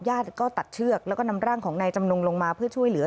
ก็ตัดเชือกแล้วก็นำร่างของนายจำนงลงมาเพื่อช่วยเหลือ